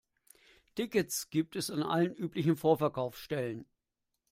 Tickets gibt es an allen üblichen Vorverkaufsstellen.